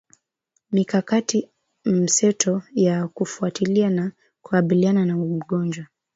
mikakati mseto ya kufuatilia na kukabiliana na magonjwa